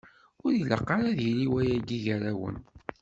Ur ilaq ara ad yili wayagi gar-awen.